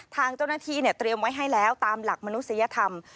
ทางเจ้าหน้าที่เตรียมไว้ให้แล้วตามหลักมนุษยธรรม